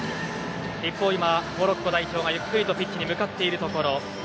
一方、モロッコ代表がゆっくりピッチに向かっているところ。